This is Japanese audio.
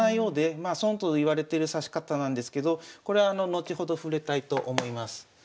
まあ損といわれてる指し方なんですけどこれあの後ほど触れたいと思います。